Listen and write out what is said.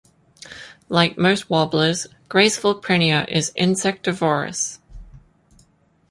Like most warblers, graceful prinia is insectivorous.